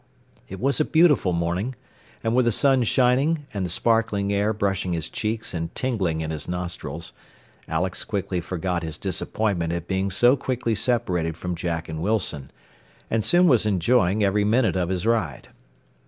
It was a beautiful morning, and with the sun shining and the sparkling air brushing his cheeks and tingling in his nostrils, Alex quickly forgot his disappointment at being so quickly separated from Jack and Wilson, and soon was enjoying every minute of his ride.